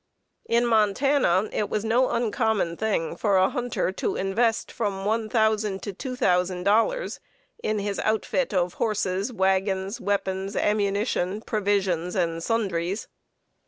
In Montana it was no uncommon thing for a hunter to invest from $1,000 to $2,000 in his "outfit" of horses, wagons, weapons, ammunition, provisions, and sundries.